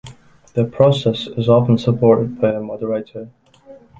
The process is often supported by a moderator.